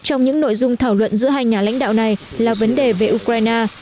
trong những nội dung thảo luận giữa hai nhà lãnh đạo này là vấn đề về ukraine